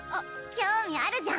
興味あるじゃん！